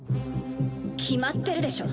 決まってるでしょ。